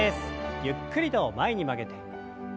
ゆっくりと前に曲げて。